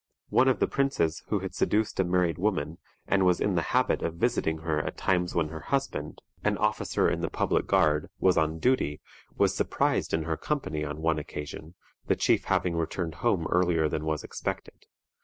One of the princes, who had seduced a married woman, and was in the habit of visiting her at times when her husband, an officer in the public guard, was on duty, was surprised in her company on one occasion, the chief having returned home earlier than was expected.